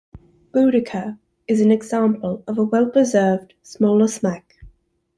"Boadicea" is an example of a well-preserved smaller smack.